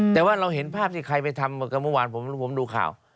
แต่ว่าเราเห็นภาพที่ใครไปทำกับเมื่อวานผมดูข่าว